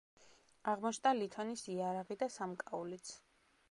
აღმოჩნდა ლითონის იარაღი და სამკაულიც.